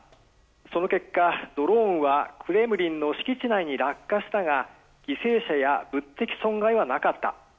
その結果、ドローンはクレムリンの敷地内に落下したが犠牲者や物的損害はなかった。